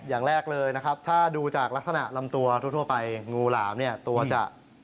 อย่างแรกเลยนะครับถ้าดูจากลักษณะลำตัวทั่วไปงูหลามเนี่ยตัวจะ